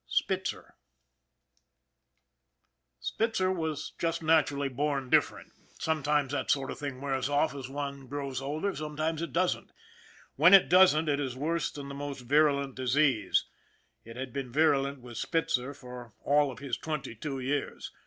IV SPITZER SPITZER was just naturally born diffident. Some times that sort of thing wears off as one grows older, sometimes it doesn't. When it doesn't, it is worse than the most virulent disease it had been virulent with Spitzer for all of his twenty two years.